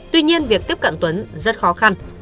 tuy nhiên việc tiếp cận tuấn rất khó khăn